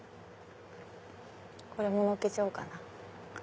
これものっけちゃおうかな。